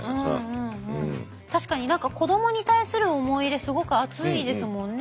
確かに何か子どもに対する思い入れすごく熱いですもんね